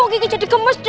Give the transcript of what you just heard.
kok kiki jadi gemes deh